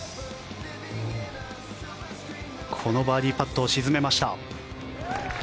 このバーディーパットを沈めました。